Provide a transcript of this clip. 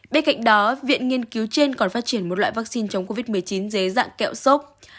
bên cạnh đó viện nghiên cứu trên còn phát triển một loại vaccine chống covid một mươi chín dưới dạng kẹo sốt